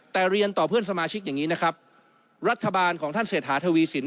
แต่เรียนต่อเพื่อนสมาชิกอย่างนี้นะครับรัฐบาลของท่านเศรษฐาทวีสิน